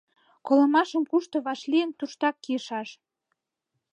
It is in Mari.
Колымашым кушто вашлийын, туштак кийышаш.